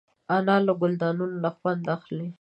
انا له ګلدانونو خوند اخلي